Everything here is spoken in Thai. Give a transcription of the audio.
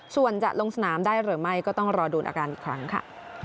ส่วนจะลงสนามได้หรือไม่ก็ต้องรอดูอาการอีกครั้งค่ะ